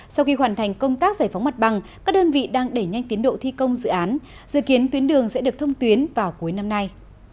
sau khi hoàn thành công tác giải phóng mặt bằng các đơn vị đang đẩy nhanh tiến độ thi công dự án dự kiến tuyến đường sẽ được thông tuyến vào cuối năm nay